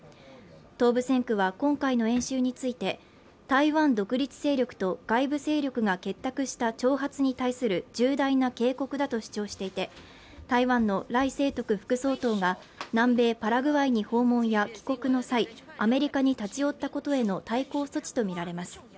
東部戦区は今回の演習について、台湾独立勢力と外部勢力が結託した挑発に対する重大な警告だと主張していて、台湾の頼清徳副総統が南米パラグアイに訪問や帰国の際、アメリカに立ち寄ったことへの対抗措置とみられます。